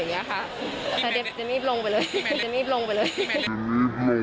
ว่าเต้นเด็มี่ลงไปเหรอค่ะ